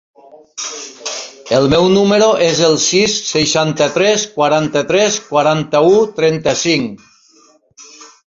El meu número es el sis, seixanta-tres, quaranta-tres, quaranta-u, trenta-cinc.